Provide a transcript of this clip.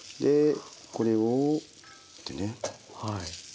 これをってね。